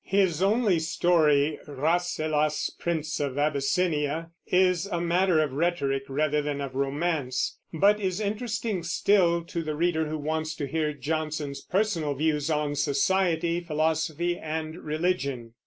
His only story, Rasselas, Prince of Abyssinia, is a matter of rhetoric rather than of romance, but is interesting still to the reader who wants to hear Johnson's personal views of society, philosophy, and religion.